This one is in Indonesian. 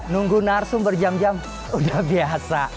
nunggu narsum berjam jam udah biasa